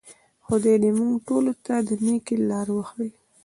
خدای دې موږ ټولو ته د نیکۍ لار وښیي.